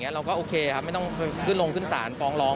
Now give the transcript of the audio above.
เราก็โอเคครับไม่ต้องขึ้นลงขึ้นศาลฟ้องร้อง